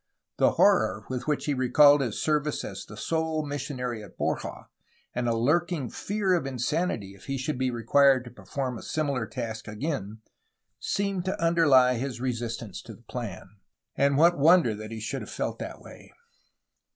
The horror with which he recalled his service as the sole missionary at Borja and a lurking fear of insanity if he should be required to perform a similar task again seemed to underly his resistance to the plan. And what wonder that he should have felt that way!